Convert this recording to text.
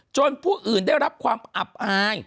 ผู้อื่นได้รับความอับอาย